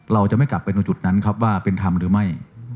เราจะไม่กลับไปตรงจุดนั้นครับว่าเป็นธรรมหรือไม่